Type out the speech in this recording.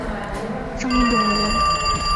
张永人。